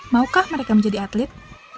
maukah mereka menjadi atlet